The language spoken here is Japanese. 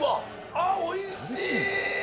あー、おいしい！